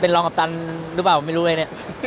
รองกัปตันหรือเปล่าไม่รู้เลยเนี่ย